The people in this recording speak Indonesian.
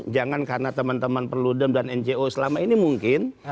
jangan karena teman teman perludem dan ngo selama ini mungkin